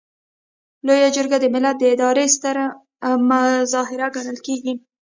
لویه جرګه د ملت د ادارې ستر مظهر ګڼل کیږي.